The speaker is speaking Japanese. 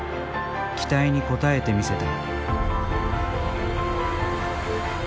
期待に応えてみせた。